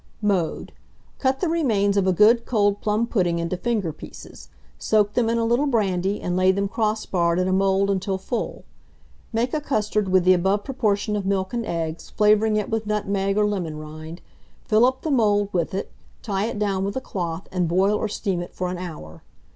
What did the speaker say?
Mode. Cut the remains of a good cold plum pudding into finger pieces, soak them in a little brandy, and lay them cross barred in a mould until full. Make a custard with the above proportion of milk and eggs, flavouring it with nutmeg or lemon rind; fill up the mould with it; tie it down with a cloth, and boil or steam it for an hour.